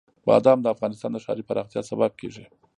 بادام د افغانستان د ښاري پراختیا سبب کېږي.